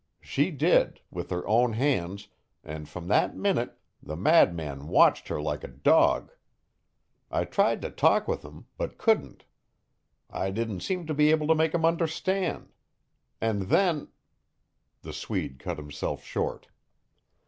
She did with her own hands, and from that minute the madman watched her like a dog. I tried to talk with him, but couldn't. I didn't seem to be able to make him understand. And then " The Swede cut himself short.